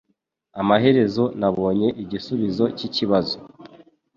Amaherezo nabonye igisubizo cyikibazo.